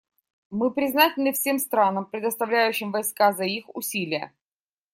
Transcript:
Мы признательны всем странам, предоставляющим войска, за их усилия.